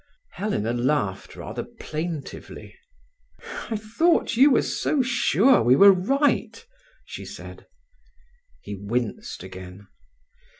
Helena laughed rather plaintively. "I thought you were so sure we were right," she said. He winced again.